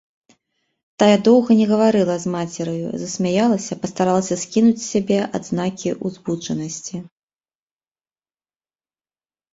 Тая доўга не гаварыла з мацераю, засмяялася, пастаралася скінуць з сябе адзнакі ўзбуджанасці.